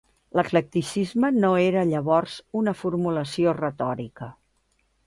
L'eclecticisme no era llavors una formulació retòrica.